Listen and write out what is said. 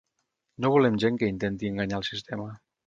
No volem gent que intenti enganyar al sistema.